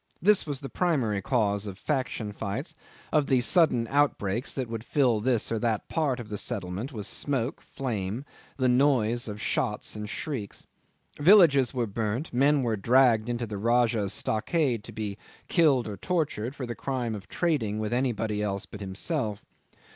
This was the primary cause of faction fights, of the sudden outbreaks that would fill this or that part of the settlement with smoke, flame, the noise of shots and shrieks. Villages were burnt, men were dragged into the Rajah's stockade to be killed or tortured for the crime of trading with anybody else but himself.